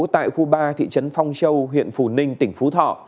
tại khu ba thị trấn phong châu huyện phù ninh tỉnh phú thọ